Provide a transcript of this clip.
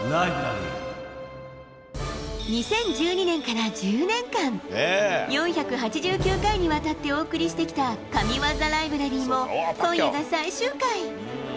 ２０１２年から１０年間、４８９回にわたってお送りしてきた神技ライブラリーも、今夜が最終回。